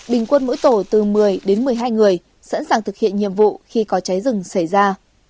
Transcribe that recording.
bình quân mỗi tổ từ một mươi đến một mươi hai người sẵn sàng thực hiện nhiệm vụ khi có cháy rừng xảy ra